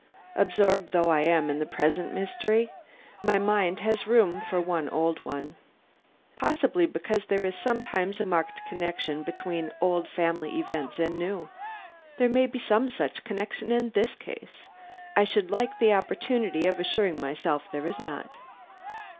Absorbed though I am in the present mystery, my mind has room for the old one. Possibly because there is sometimes a marked connection between old family events and new. There may be some such connection in this case. I should like the opportunity of assuring myself there is not."